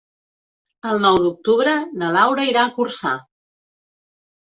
El nou d'octubre na Laura irà a Corçà.